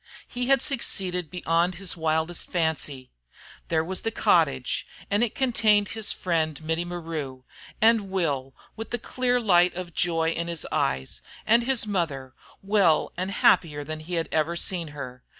He had succeeded beyond his wildest fancy. There was the cottage, and it contained his friend Mittie maru, and Will, with the clear light of joy in his eyes, and his mother, well, and happier than he had ever seen her.